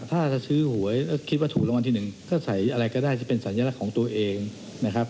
ถ้าจะซื้อหวยแล้วคิดว่าถูกรางวัลที่หนึ่งก็ใส่อะไรก็ได้จะเป็นสัญลักษณ์ของตัวเองนะครับ